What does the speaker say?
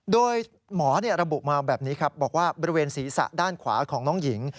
โดยหมอระบุมาแบบนี้ครับบอกว่าบริเวณศีรษะด้านขวาของน้องหญิง